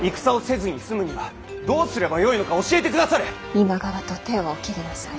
今川と手をお切りなさい。